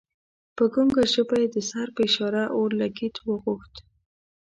په ګنګه ژبه یې د سر په اشاره اورلګیت وغوښت.